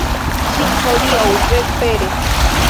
Ĝis hodiaŭ vespere!